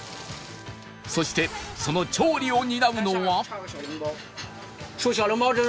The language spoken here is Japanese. そしてその調理を担うのは